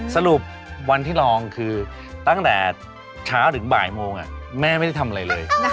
สรุปวันที่ลองคือตั้งแต่เช้าถึงบ่ายโมงแม่ไม่ได้ทำอะไรเลย